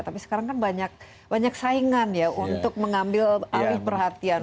tapi sekarang kan banyak saingan ya untuk mengambil alih perhatian